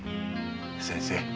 先生